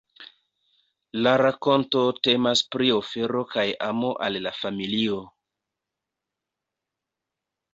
La rakonto temas pri ofero kaj amo al la familio.